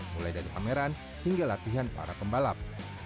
mulai dari pameran hingga latihan para pembalap